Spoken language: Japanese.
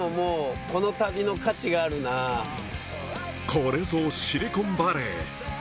これぞシリコンバレー